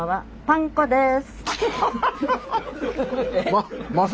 パン粉です。